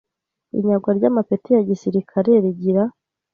Inyagwa ry amapeti ya gisirikare rigira